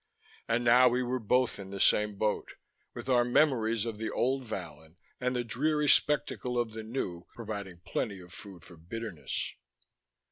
And now we were both in the same boat: with our memories of the old Vallon and the dreary spectacle of the new providing plenty of food for bitterness.